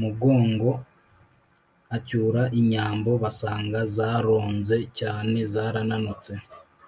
mugongo acyura inyambo basanga zaronze cyane ( zarananutse ).